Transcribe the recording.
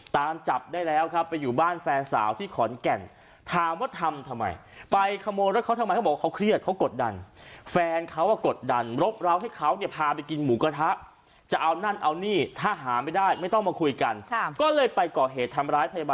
ตามจับได้แล้วครับไปอยู่บ้านแฟนสาวที่ขอร์นแกร่